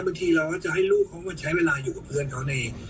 บางทีเราก็จะให้ลูกเขามาใช้เวลาอยู่กับเพื่อนเขานี่